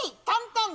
簡単！